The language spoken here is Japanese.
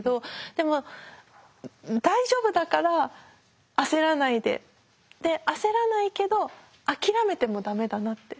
でも大丈夫だから焦らないで焦らないけど諦めてもダメだなって。